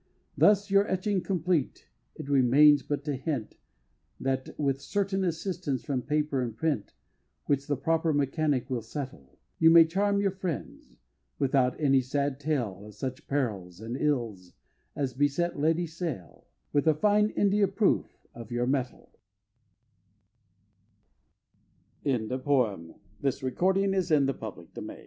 Thus your Etching complete, it remains but to hint, That with certain assistance from paper and print, Which the proper Mechanic will settle, You may charm all your Friends without any sad tale Of such perils and ills as beset Lady Sale With a fine India Proof of your Metal. [Footnote 43: "The Deserted Village." Illustrated